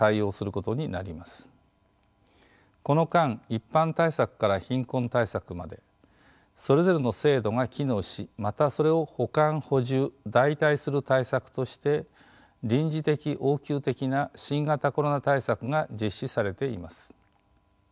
この間一般対策から貧困対策までそれぞれの制度が機能しまたそれを補完・補充・代替する対策として臨時的・応急的な新型コロナ対策が実施されています。